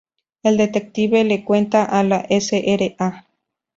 El detective le cuenta a la Sra.